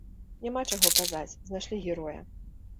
Няма чаго казаць, знайшлі героя!